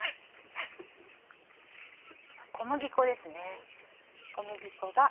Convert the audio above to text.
小麦粉ですね。